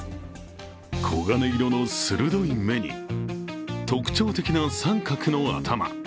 黄金色の鋭い目に特徴的な三角の頭。